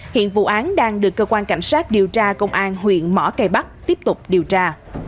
hiện vụ án đang được cơ quan cảnh sát điều tra công an huyện mỏ cây bắc tiếp tục điều tra